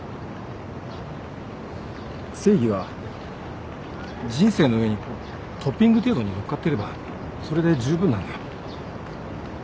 正義は人生の上にトッピング程度に載っかってればそれで十分なんだよ。